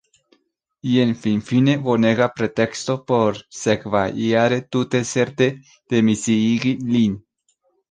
Jen – finfine bonega preteksto por sekvajare tute certe demisiigi lin.